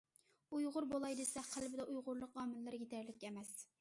ئۇيغۇر بولاي دېسە قەلبىدە ئۇيغۇرلۇق ئامىللىرى يېتەرلىك ئەمەس.